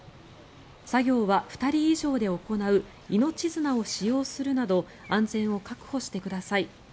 作業は２人以上で行う命綱を使用するなど安全を確保してください。